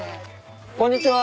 こんにちは！